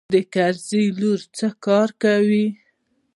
دا د کرزي لور څه کار کوي.